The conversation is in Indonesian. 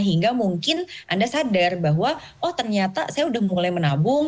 hingga mungkin anda sadar bahwa oh ternyata saya sudah mulai menabung